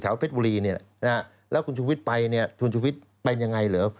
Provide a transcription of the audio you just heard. เพชรบุรีเนี่ยนะฮะแล้วคุณชุวิตไปเนี่ยคุณชุวิตเป็นยังไงเหรอ